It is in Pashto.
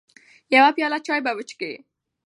يوه پياله چاى به وچکې .